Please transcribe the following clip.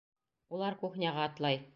Улар кухняға атлай.